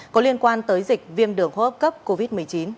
có liên quan tới dịch viêm đường hô hấp cấp covid một mươi chín